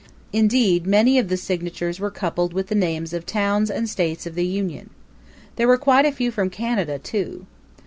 Indeed, many of the signatures were coupled with the names of towns and states of the Union. There were quite a few from Canada, too.